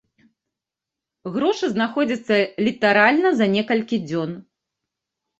Грошы знаходзяцца літаральна за некалькі дзён.